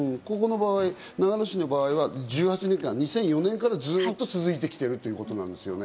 長野市の場合は１８年間、２００４年からずっと続いてきているということですね。